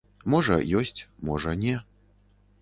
Можа, ёсць, можа, не.